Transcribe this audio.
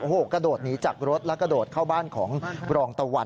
โอ้โหกระโดดหนีจากรถและกระโดดเข้าบ้านของรองตะวัน